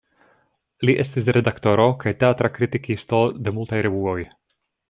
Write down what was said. Li estis redaktoro kaj teatra kritikisto de multaj revuoj.